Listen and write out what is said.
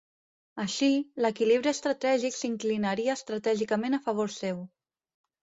Així, l'equilibri estratègic s'inclinaria estratègicament a favor seu.